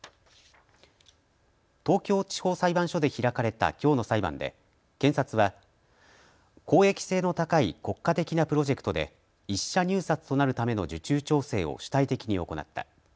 東京地方裁判所で開かれたきょうの裁判で検察は公益性の高い国家的なプロジェクトで１社入札となるための受注調整を主体的に行った。